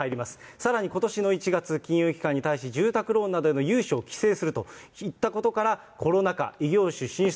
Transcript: さらにことしの１月、金融機関に対し、住宅ローンなどへの融資を規制すると言ったことから、コロナ禍、異業種、進出